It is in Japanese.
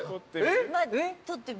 撮ってみる？